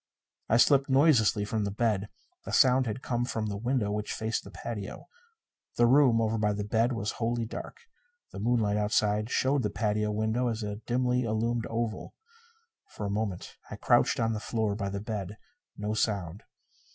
I slipped noiselessly from the bed. The sound had come from the window which faced the patio. The room, over by the bed, was wholly dark. The moonlight outside showed the patio window as a dimly illumined oval. For a moment I crouched on the floor by the bed. No sound.